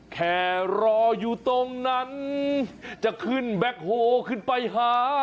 แค่รออยู่ตรงนั้นจะขึ้นแบ็คโฮขึ้นไปหา